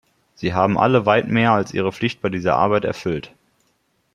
Sie haben alle weit mehr als ihre Pflicht bei dieser Arbeit erfüllt.